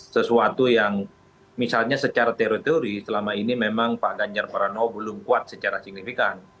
sesuatu yang misalnya secara teori teori selama ini memang pak ganjar pranowo belum kuat secara signifikan